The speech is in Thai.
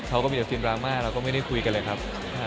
เขาก็มีแต่ซินดราม่าเราก็ไม่ได้คุยกันเลยครับ